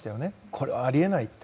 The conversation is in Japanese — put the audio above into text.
これはあり得ないって。